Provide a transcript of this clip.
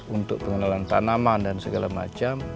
untuk pengenalan tanaman dan segala macam